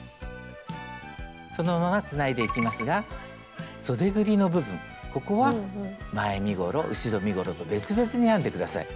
そのままつないでいきますがそでぐりの部分ここは前身ごろ後ろ身ごろと別々に編んで下さい。